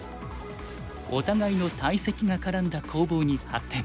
お互いの大石が絡んだ攻防に発展。